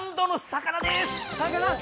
魚⁉